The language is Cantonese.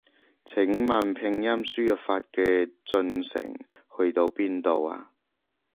請問拼音輸入法嘅進程去到邊度啊？